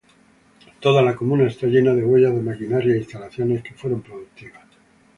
Toda la comuna está llena de huellas de maquinaria e instalaciones que fueron productivas.